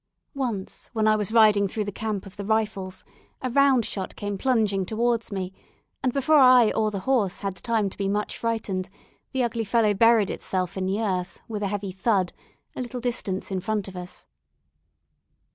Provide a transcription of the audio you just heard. Once when I was riding through the camp of the Rifles, a round shot came plunging towards me, and before I or the horse had time to be much frightened, the ugly fellow buried itself in the earth, with a heavy "thud," a little distance in front of us.